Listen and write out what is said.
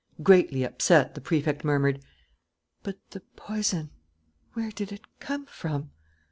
Greatly upset, the Prefect murmured: "But the poison where did it come from?"